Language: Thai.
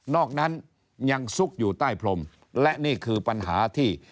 อกนั้นยังซุกอยู่ใต้พรมและนี่คือปัญหาที่